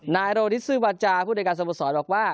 นายโรดิซวาจาผู้โดยการสมสอบบอกว่า